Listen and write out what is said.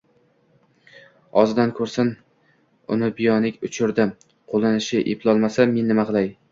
O‘zidan ko‘rsin, uni binoyidek uchirdim, qo‘nishni eplolmasa, men nima qilay?